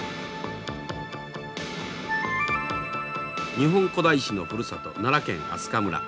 日本古代史のふるさと奈良県明日香村。